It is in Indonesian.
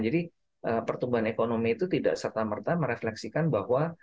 jadi pertumbuhan ekonomi itu tidak serta merta merefleksikan bahwa